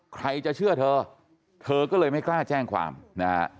ใครจะเชื่อเธอเธอก็เลยไม่กล้าแจ้งความนะฮะ